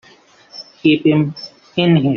Keep him in here!